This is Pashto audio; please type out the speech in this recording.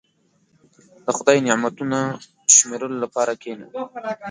• د خدای نعمتونه شمیرلو لپاره کښېنه.